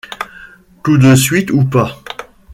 Tout de suite ou pas.